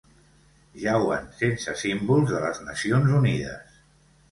Jauen sense símbols de les Nacions Unides.